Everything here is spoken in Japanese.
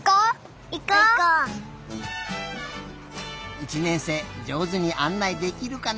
１年生じょうずにあんないできるかな？